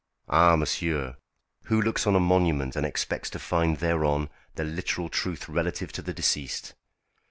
"Ah! monsieur, who looks on a monument and expects to find thereon the literal truth relative to the deceased?"